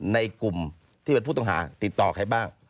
ในกลุ่มที่เป็นผู้ต้องหาติดต่อใครบ้าง